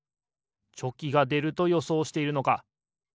チョキがでるとよそうしているのか。